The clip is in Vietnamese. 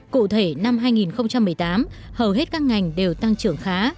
cụ thể năm hai nghìn một mươi tám hầu hết các ngành đều tăng trưởng khá